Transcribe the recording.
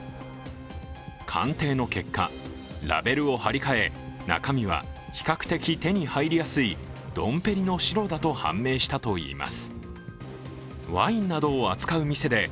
鑑定の結果、ラベルを貼り替え、中身は比較的手に入りやすいドンペリの白だと判明したといいます。